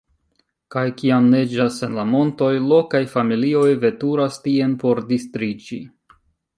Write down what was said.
Kaj kiam neĝas en la montoj, lokaj familioj veturas tien por distriĝi.